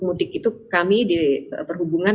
mudik itu kami di perhubungan